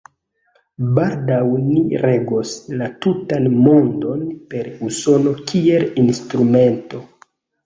Baldaŭ ni regos la tutan Mondon per Usono kiel instrumento.